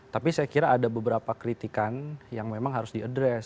tapi saya kira ada beberapa kritikan yang memang harus diadres